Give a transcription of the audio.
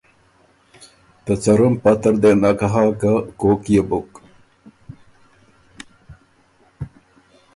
ته څرُم پته ر دې نک هۀ که کوک يې بُک۔